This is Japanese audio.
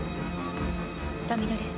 さみだれ。